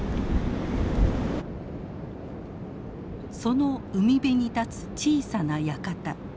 その海辺に立つ小さな館。